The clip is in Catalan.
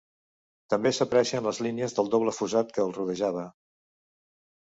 També s'aprecien les línies del doble fossat que el rodejava.